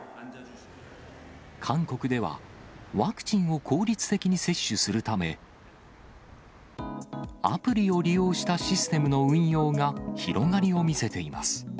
韓国では、ワクチンを効率的に接種するため、アプリを利用したシステムの運用が広がりを見せています。